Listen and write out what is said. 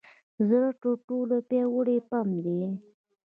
زړه تر ټولو پیاوړې پمپ دی.